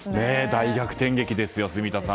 大逆転劇ですよ、住田さん。